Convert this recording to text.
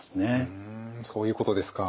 うんそういうことですか。